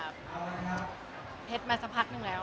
เพชรมาสักพักนึงแล้ว